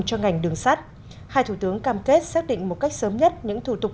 cho ngành đường sắt hai thủ tướng cam kết xác định một cách sớm nhất những thủ tục